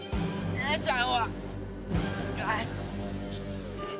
姉ちゃん！